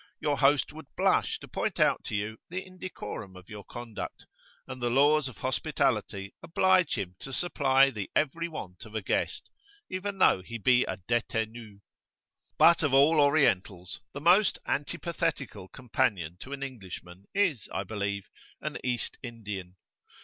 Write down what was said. Your host would blush to point out to you the indecorum of your conduct; and the laws of hospitality oblige him to supply the every want of a guest, even though he be a detenu. But of all Orientals, the most antipathetical companion to an Englishman is, I believe, an East Indian.